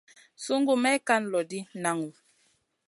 Sungu may kan loʼ ɗi, naŋu.